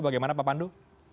bagaimana pak pandu